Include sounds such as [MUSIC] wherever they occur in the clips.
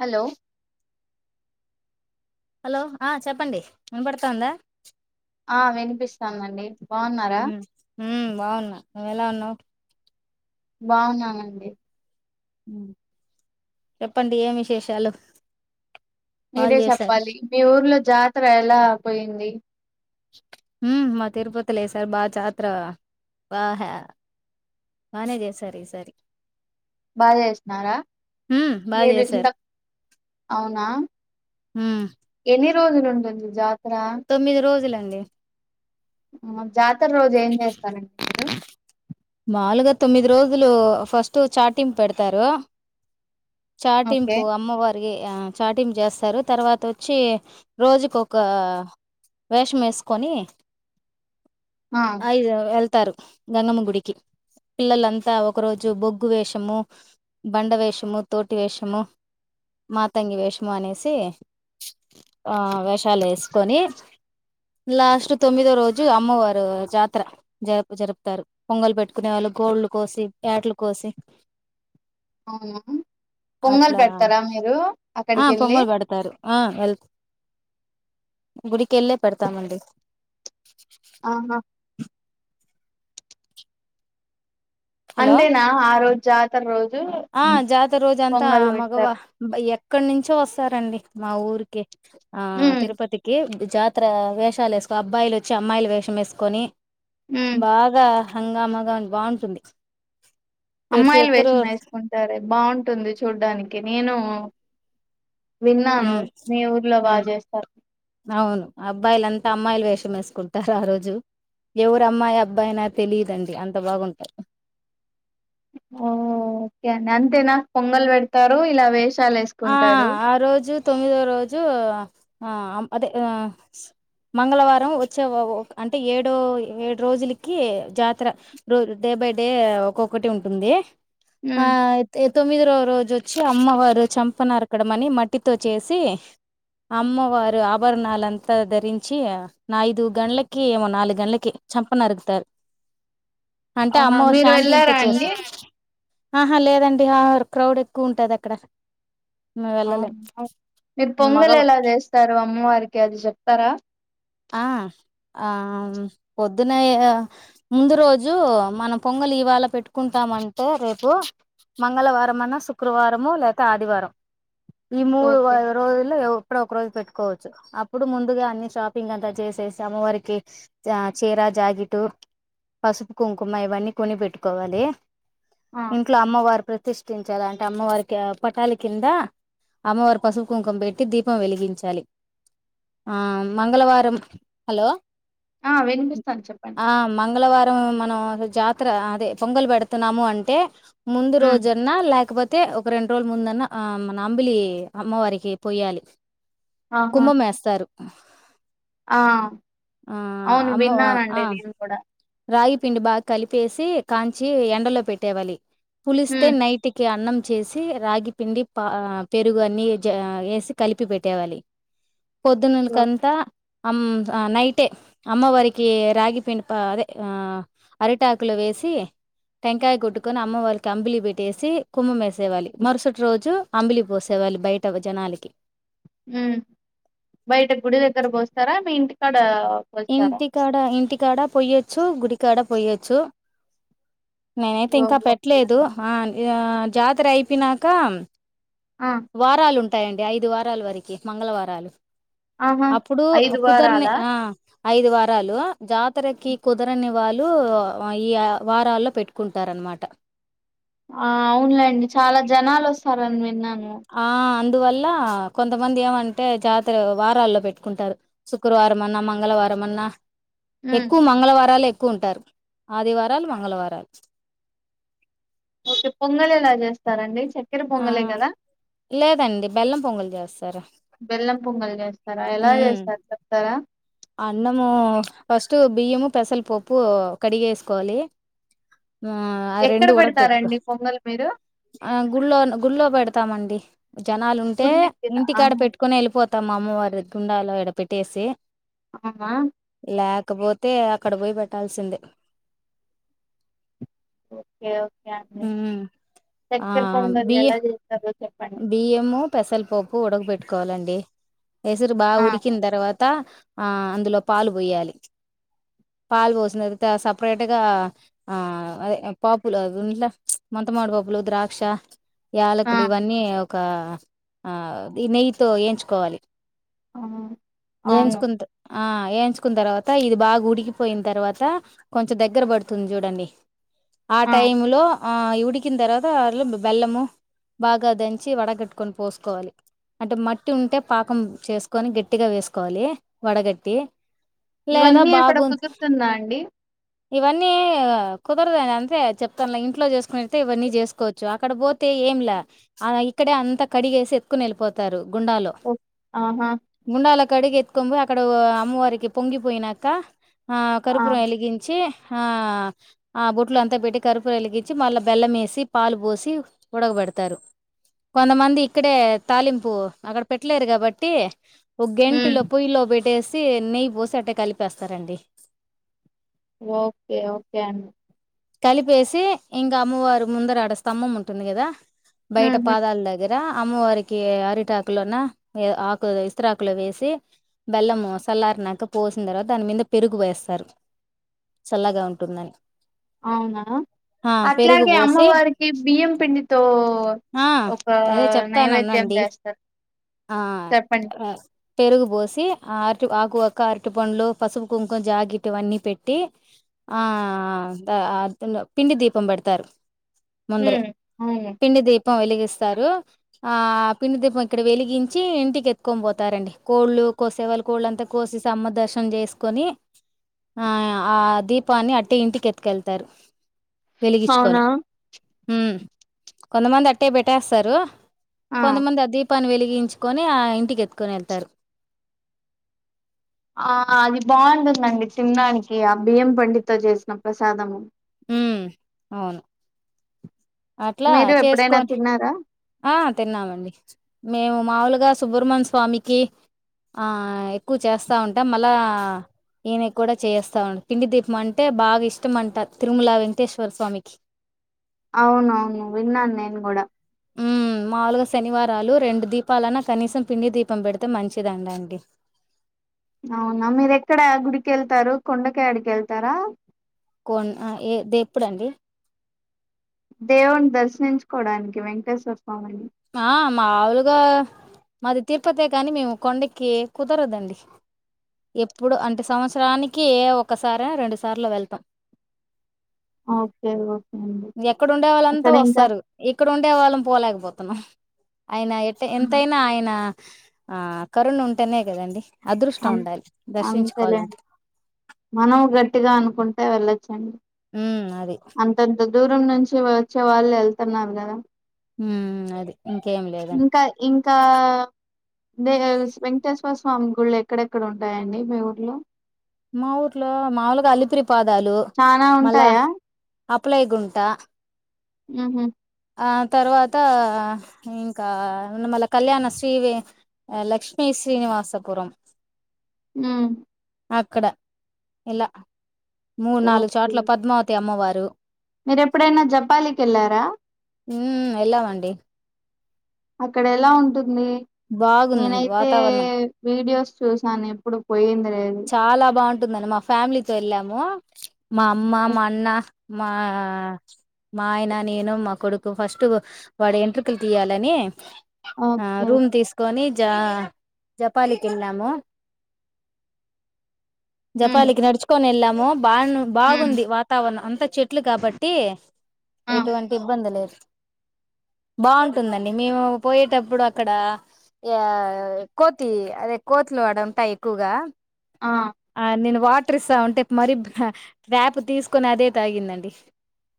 Hello hello ఆ చెప్పండి వినబడతందా ఆ వినిపిస్తాందండి బాగున్నారా ఊమ్ బావున్నా నువ్వేలా ఉన్నావు బాగున్నానండి చెప్పండి ఏం విశేషాలు కాల్ మీరే చేశారు చెప్పాలి మీ ఊర్లో జాతర ఎలా పోయింది ఉమ్ మా తిరుపతి లేసారు బా జాత్ర బాహె బానే చేసారు ఈసారి బాగా చేస్తున్నారా ఉమ్ బాగా మీరు ఇంత చేశారు అవునా ఉమ్ ఎన్ని రోజులు ఉంటుంది జా తొమ్మిది రోజులం డి జాతర రోజు ఏం చేస్తారండి మీరు మాములుగా తొమ్మిది రోజులు ఫస్ట్ చాటింపు పెడతారు ఓకే చాటింపు అమ్మవారికి చాటిం చేస్తారు తర్వాత వచ్చి రోజుకు ఒక వేషం వేసుకొని ఆ అయిదు ఎల్ ారు గంగమ్మ గుడికి పిల్లలంతా ఒక రోజు బొగ్గు వేషము బండ వేషము తోటి వేషము మాతంగి వేషము అనేసి ఆ వేషాలు వేసుకొని లాస్ట్ తొమ్మిదో రోజు అమ్మవారు జాతర జరు జరుపుతారు పొంగలు పెట్టుకునే వాళ్ళు గోల్లు కోసి పటలు కోసి అవునా పొంగలు అట్లా పెడతారా మీరు ఆ అక్కడికి వెళ్ళి పొంగలు పడతారు ఆ వెల్త గుడికెళ్లే పెడతామండి ఆహా హలో అందేనా ఆ రోజు జాతర రో ఆ జాతర రోజు అంతా మగవా పెడతారు ఎ ఎక్కడ నుంచో వస్తారండి మా ఊరికి ఆ ఉమ్ తిరుపతికి జాతర వేషాలు వేసుకొ అబ్బాయిలు వచ్చి అమ్మాయిలు వేషం వేసుకొని ఉమ్ బాగా హంగామాగా బాగుంటుంది ప్రతి అమ్మాయిల్ ఒక్కరు వేసామావేసుకొని సరే బాగుంటుంది చూడ్డానికి నేను విన్నాను ఉమ్ మీ ఊర్లో బాగా ఉమ్ చేస్తారు అవును అబ్బాయిలంతా అమ్మాయిలు వేషం వేసుకుంటారు ఆ రోజు ఎవరు అమ్మాయి అబ్బాయినా తెలిదండి అంత బాగుంటంది ఓ ఓకే అండి అంతే నా పొంగల్ పెడతారు ఇలా వేసి ఆ ఆ రోజు తొమ్మిదో రోజు అదే మంగళవారం వచ్చే అంటే ఏడు ఏడు రోజులకి జాతర ర డే బై డే ఒక్కొక్కటి ఉంటుంది ఆ హ్మ్. ఎ తొమ్మిదిరో రోజు చ్చి అమ్మవారు చంపనరకడం అని మట్టితో చేసి అమ్మవారు ఆభరణాలుంతా ధరించి ఐదు గడ్లకి ఏమో నాలుగు గంటలకి చంపనరుకుతారు అంటే ఆహా అమ్మ ఓ మీరు శాంతి వెళ్ళారా అండి ఇంపచేసారూ ఆహా లేదండి ఆహ క్రౌడ్ ఎక్కువ ఉంటది అక్కడ మేము అ వెళ్ళలేం మీరు పొంగలు మగవా ఎలా చేస్తారు అమ్మవారికి అది చెప్తారా ఆ ఆ పొద్దున ముందు రోజు మనం పొంగలి ఇవాళ పెట్టుకుంటామంటే రేపు మంగళవారం అనా శుక్రవారము లేదా ఆదివారం ఈ మూడు ఓకే [UNINTELLIGIBLE] రోజులు లేవు ఒక రోజు పెట్టుకోవచ్చు అప్పుడు ముందుగా అన్ని షాప్ ఇదంత చేసేసి అమ్మవారికి చీరా జాకెట్ పసుపు కుంకుమ ఇవన్నీ కొని పెట్టుకోవాలి. ఆ ఇంట్లో అమ్మవారి ప్రతి ప్రతిష్టించాలి అంటే అమ్మవారికి పటాలి కింద అమ్మవారి పసుపు కుంకం పెట్టి దీపం వెలిగించాలి ఆ మంగళవారం హలో ఆ వినిపిస్తాను చెప్పండి ఆ మంగళవారం మనం జాతర అదే పొంగలు పెడుతున్నాము అంటే ముందు ఉమ్ రోజన్నా లేకపోతే అయితే ఒక రెండు రోజుల ముందన్న మన అంబిలి అమ్మవారికి పోయాలి ఆహా కుమ్మం ఏస్తారు స ఆ అవును అమ్మ ఆ విన్నానండి నేను కూడా రాగి పిండి బాగా కలిపేసి కాంచి ఎండలో పెట్టేవళి పులిస్తే ఉమ్ నైటికి అన్నం చేసి రాగి పిండి పా పెరుగు అన్ని వేసి కలిపి పెట్టేవాలి ఓకే పొద్దునున్నకంతా హ్మ్మ్ నైటే అమ్మవారికి రాగి పిండి అదే ఆ అరిటాకులు వేసి టెంకాయ కొట్టుకొని అమ్మ వాళ్ళకి అంబిలి పెట్టేసి కుమ్మం వేసేవాళ్ళి మరుసటి రోజు అంబిలి పోసేవాళ్ళి బయట జనాలకి. హ్మ్మ్ బయట గుడి దగ్గర పోస్తారా మీ ఇంటికాడ పోస్తారా ఇంటికడ ఇంటి కాడ పోయొచ్చు గుడికాడ పోయొచ్చు నేనైతే ఓహో ఇంకా ఓకే పెట్టలేదు అండి హా జాతర అయిపోనాక ఆ వారాలుంన్ అవతాయండి ఐదు వారాల వరకి మంగళవారాలు ఆహా అప్పుడు ఐదు కుదర్ని వారాలా ఆ ఐదు వారాలు జాతరకి కుదరని వాళ్ళు, ఈ వారాల్లో పెట్టుకుంటారనమాట. ఆ అవునులేండి చాలా జనాలు వస్తారని విన్నా ఆ అన్ అందువల్ల కొంతమంది, ఏమంటే జాతర వారాల్లో పెట్టుకుంటారు శుక్రవారం అన్నా మంగళవారం అన్నా. ఉమ్ ఎక్కువ మంగళవారాలు ఎక్ కుంటారు ఆదివారాలు మంగళవారాలు ఓకే పొంగల్ ఎలా చేస్తారండి చె చెక్కెర ఆ పొంగలే కదా లేదండి బెల్లం పొంగలు చేస్తారు బెల్లం పొంగలీ చేస్తారా ఎలా ఉమ్ చేస్తారు చెప్తారా అన్నము ఫస్ట్ బియ్యము పెసలపప్పు కడిగేసుకోవాలి ఆ ఆ ఎక్కడ రెండు ఉడక పెట్టుకో పెడతారండి పొంగల్ మీరు ఆ గుళ్ గుళ్ళో పెడతామండి జనాలుంటే గుడి దగ్గర ఇంటికాడ ఆహా పెట్టుకొని వెళ్ళిపోత తం మా అమ్మవారి కుండాలో ఈడ పెట్టేసి ఆమా? ఇకపోతే అక్కడ పోయి పెట్టాల్సిందే ఓకే ఓకే అండి ఉమ్ ఆ చక్కెర పొంగలి బియ్య ఎలా చేత్తరు. బియ్యము పెసల్ పప్పు ఉడకబెట్ పెట్టుకోవాలండి. ఎసరు బాగా ఆ ఉడికిన తర్వాత. తా ఆ అందులో పాలు పోయాలి పాలు పోసిన తర్వాత సపరేట్గా ఆ అదే పాపులుం అవుండ్ల మొంతమడి పాపులు ద్రాక్ష ఏళకు ఆ లేవ్ ఒక, ఆ ఈ నెయ్యితో ఏంచుకోవాలి. ఆ అవును ఏంచుకుంట. ఆ వేయించుకున్న తర్వాత, ఇది బాగా ఉడికిపోయిన, తర్వాత కొంచెం దగ్గర పడుతుంది చూడండి. ఆ టైమ్ లో... ఆ అయి ఉడికిన తర్వాత అట్లో బెల్లము. బాగా దంచి వడగట్టుకొని పోసుకోవాలి, అంటే మట్టి ఉంటే పాకం చేసుకొని గట్టిగా వేసుకోవాలి, వడగట్టి. లేదా ఇవన్నీ అక్కడ బాగు కుదురుతుందా అండి? ఇవన్నీ కుదరదు అని అంతే చెప్తనులా ఇంట్లో చేసుకునియితే ఇవన్నీ చేసుకోవచ్చు అక్కడ పోతే ఏమిలా. ఆ ఇక్కడే అంతా కడిగేసి ఎత్తుకుని వెళ్ళిపోతారు గుండాలో ఓ ఆహా గుండాలో అక్కడికి ఎత్తుకొని పోయి అక్కడ అమ్మవారికి పొంగిపోయినాక ఆ కర్పూరం వెలిగించి.. ఆ.. ఆ బొట్లు అంతా పెట్టి కర్పూర వెలిగించి మళ్ళా బెల్లం వేసి, పాలు పోసి ఉడగబెడతం. తారు, కొంతమంది ఇక్కడే తాలింపు అక్కడ పెట్టలేరు కాబట్టి. ఒక ఉమ్ గంటిలో పొయ్యలో పెట్టేసి. తే నెయ్యి పోసి అట్టే కలిపేస్తారండి. Okay.. okay. అండి. కలిపేసి, ఇంకా అమ్మవారు ముందర ఆడ స్తంభం ఉంటుంది కదా. బయట ఉహు పాదాల దగ్గర. అమ్మవారికి అరిటాకులోన్న ఆకు ఇస్త్రాకులో వేసి బెల్లం సల్లారినక పోసిన తర్వాత దాని మీద పెరుగు వేస్తారు చల్లగా ఉంటుందని అవునా! ఆ పెరుగు అట్లాగే పోసి అమ్మవారికి బియ్యం పిండితో. ఓ ఆ ఒక అదే నైవేద్యం చెప్తాననండి చేస్తారు ఆ చెప్పండి పెరుగు పోసి ఆ అరటి ఆకువక్క అరటి పండ్లు పసుపు కుంకుం జాకిట్ ఇవన్నీ పెట్టి ఆ పిండి దీపం పెడతారు ముందరే హ్మ్ హు. పిండి దీపం వెలిగిస్తారు ఆ పిండి దీపం ఇక్కడ వెలిగించి ఇంటికెత్తుకొని పోతారండి కోళ్ళు కోసేవాళ్ళ కోళ్ళంతా కోసేసి అమ్మ దర్శనం చేసుకొని ఆ ఆ దీపాన్ని అట్టే ఇంటికెత్తుకెళ్తారు. అవును అవునా వెలిగిచ్చుకొని మ్ కొంతమంది అట్టే పెట్టేస్తారు ఆ కొంతమంది అ దీపాన్ని వెలి గించుకొని, ఆ ఇంటికి ఎత్కొని వెళ్తారు. ఆ అది బాగుంటుందండి తిండానికి ఆ బియ్యం పిండితో చేసిన ప్రసాదము. మ్ అవును అట్లా మీరు ఎప్పుడైనా చేసుకొని తిన్నారా ఆ తిన్నామండి మేము మాములు గా ఆ సుబ్రమణ్య స్వామికి ఆ ఎక్కువ చేస్తా ఉంటాం మళ్ళా ఈయన కూడా చేస్తా ఉంటం పిండి దీపం అంటే బాగా ఇష్టం అంటారు తిరుమల వెంకటేశ్వర స్వామికి అవునవును విన్నాను నేను కూడా మ్ మాములుగా శనివారాలు రెండు దీపాలన్నా కనీసం పిండి దీపం పెడితే మంచిదంటండి అవునా మీరెక్కడ గుడికెళ్తారు కొండ కాడికెళ్తారా కొన్ ఏ దెప్పుడండి దేవుని దర్శినించుకోవడానికి వెంకటేశ్వర స్వామిని ఆ మాములుగా మాది తిరుపతే కానీ మేము కొండెకి కుదరదు అండి ఎప్పుడు అంటె సంవత్సరానికి ఒకసారో రెండుసార్లో వెళ్తాం ఓకే ఓకే అండి ఎక్కడుండే వాళ్ళంతా అక్కడ ఇంకా వస్తారు ఇక్కడ ఉండే వాళ్ళం పోలేకపో [UNINTELLIGIBLE] ఆయన ఎట్ట ఎంతైనా ఆయన ఆ కరుణ ఉంటేనే కదండి అదృష్టం అం ఉండాలి అంతలేండి దర్శించుకోవాలంటే మనం గట్టిగా అనుకుంటే వెళ్ళ -చ్చం ఉమ్ అది అంతంతం దూరం నుంచి వచ్చే వాళ్ళు వెళ్తన్నారు కదా ఉమ్ అది ఇంకేం లేదండి ఇంక ఇంకా మే వెంకటేశ్వర స్వామి గుళ్ళ ఎక్కడెక్కడుంటాయండి మీ ఊర్లో మా ఊర్లో మావులుగా అలిపిరి చానా ఉంటాయా అప్పలాయ్ గుంట మ్ హు ఆ తర్వాత ఇంకా మళ్ళ కళ్యాణ శ్రీవే లక్ష్మీ శ్రీనివాసపురం మ్ అక్కడ ఇలా మూడు నాలుగు చోట్ల పద్మావతి అమ్మవా [UNINTELLIGIBLE] మీరెప్పుడైనా జపాలికెళ్ళారా మ్ వెళ్ళామండి అక్కడ ఎలా ఉంటుంది బాగుందండి నేనైతే వాతావరణం వీడియోస్ చూసాను ఇప్పుడు పోయింది లేదు చాలా బాగుంటుందండి మా ఫ్యామిలీతో వెళ్ళాం అమ్మో మా అమ్మ ఓక్ మా అన్న మా మా ఆయన నేను మా కొడుకు ఫస్ట్ వాడు వెంట్రుకలు తీయాలని ఆ ఓకే రూమ్ తీసుకొని జా జపాలికి వెళ్న్నాబమ! ఉమ్ జపాలికి నడుచకోని ఎల్లాం నాం బా ఉమ్ బాగుంది వాతావరణం అంత చెట్లు కాబట్టి ఆ ఎటువంటి ఇబ్బంది లేదు బాగుంటుందండి మేము పోయేటప్పుడు అక్కడ ఆ కోతి అదే కోతిలు ఆడుంటాయి ఎక్కువగా ఆ ఆడు నిన్ను వాడ్ ట్రీస్స ఉంటే మరి ట్రాప్ తీసుకొని అదే తాగిందండి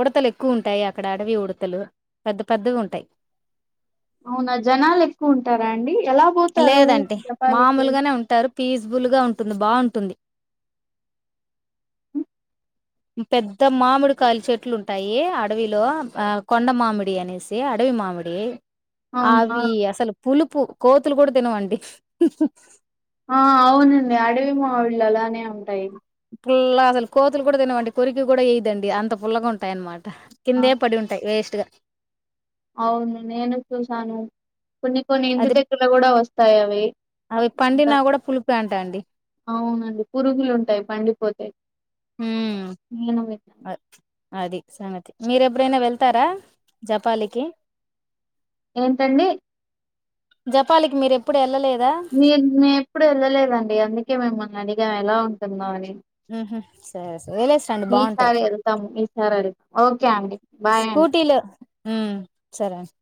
ఉడతలు ఎక్కువ ఉంటాయి అక్కడ అడవి ఉడతలు పెద్ద పెద్దగా ఉంటాయి అవునా జనాలు ఎక్కువ ఉంటారా అండి ఎలా పోతారు లేదండి జపాలికి మామూలుగానే ఉంటారు ప్లీజ్ బుల్ గా ఉంటుంది బాగుంటుంది హ్మ్. పెద్ద మామిడి కాయలు చెట్లు ఉంటాయి అడవిలో ఆ కొండ మామిడి అనేసి అడవి మామిడి అవును ఆ ఆవి అసలు పులుపు కో [UNINTELLIGIBLE] ఆ అవునండి అడవి మావిళ్ళు అలానే ఉంటాయి పుల్ల అసలు కోతులు కూడా తినవండి కొరికి కూడా వెయ్యదండి అంత పుల్లగా ఉంటాయి అనమాట ఆ కిందే పడి ఉంటాయి వేస్ట్ యా అవును నేను చూసాను కొన్ని కొన్ని ఇంటి అది దగ్గరలో కూడా వస్తాయి అవి అవి పండినా కూడా పులిపే అంట అండి అవును పురుగులు ఉంటాయి పండిపో [INAUDIBLE] [INAUDIBLE] ఉమ్ అ- అది సంగతి మీరెప్పుడైనా వెళ్తారా జపాలికి ఏంటండి జపాాలికిి మీరు ఎప్పుడు వెళ్ళలేద్ మీర్ మేము ఎప్పుడు వెళ్ళలేదండి అందుకే మిమ్మల్ని అడిగి ఇప్స డుఎలా ఉంటూ న్నారు హు సరే సరే వెళ్లేసి రండి బాగుంటాది ఈసారి వెళ్తాము ఈసారి వెళ్తాం ఓకే అండి బాయ్ అండి. స్కూటీలోహు సరే అండి